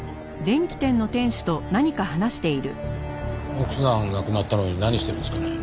奥さん亡くなったのに何してるんですかね？